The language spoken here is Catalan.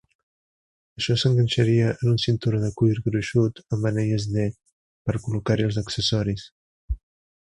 Això s'enganxaria en un cinturó de cuir gruixut amb anelles D per col·locar-hi els accessoris.